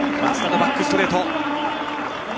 松田のバックストレート。